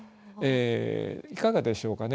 いかがでしょうかね？